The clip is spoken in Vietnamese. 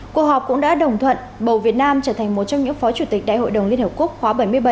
cuộc họp cũng đã đồng thuận bầu việt nam trở thành một trong những phó chủ tịch đại hội đồng liên hợp quốc khóa bảy mươi bảy